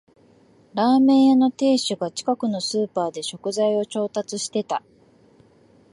ラーメン屋の店主が近くのスーパーで食材を調達してた